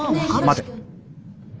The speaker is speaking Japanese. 待て。